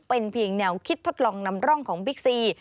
เป็นเพียงแนวคิดทดลองนำร่องของบิ๊กซี